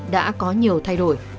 đã có nhiều thay đổi